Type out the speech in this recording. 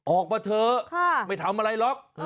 ออกมาเถอะไม่ทำอะไรหรอก